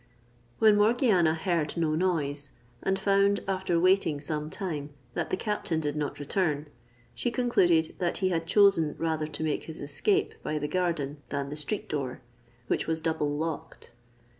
When Morgiana heard no noise, and found, after waiting some time, that the captain did not return, she concluded that he had chosen rather to make his escape by the garden than the street door, which was double locked.